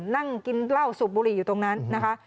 นั่งกินเหล้าสูบบุหรี่อยู่ตรงนั้นนะคะ